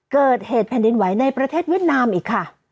เกิดเหตุแผ่นดินไหวในประเทศเวียดนามอีกค่ะ